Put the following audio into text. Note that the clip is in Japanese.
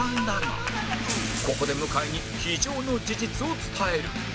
ここで向井に非情の事実を伝える